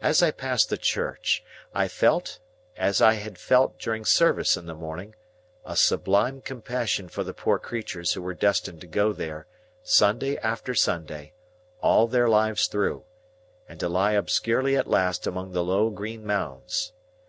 As I passed the church, I felt (as I had felt during service in the morning) a sublime compassion for the poor creatures who were destined to go there, Sunday after Sunday, all their lives through, and to lie obscurely at last among the low green mounds.